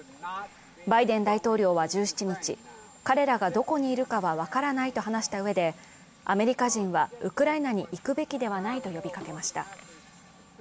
バイデン大統領は１７日、彼らがどこにいるかは分からないと話したうえで、アメリカ人はウクライナに行くべきではないと呼びかけました。